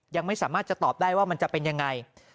ยังไม่สามารถจะตอบได้ว่ามันจะเป็นยังไง